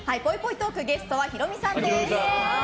トークゲストはヒロミさんです。